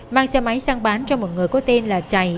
mang xe máy sang bán cho một người có tên là chày